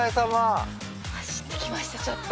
走ってきましたちょっと。